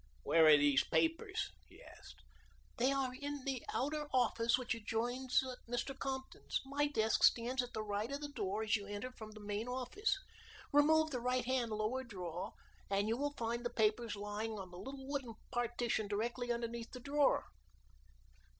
"Where are these papers?" he asked. "They are in the outer office which adjoins Mr. Compton's. My desk stands at the right of the door as you enter from the main office. Remove the right hand lower drawer and you will find the papers lying on the little wooden partition directly underneath the drawer."